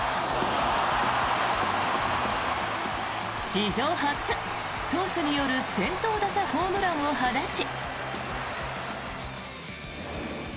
史上初、投手による先頭打者ホームランを放ち。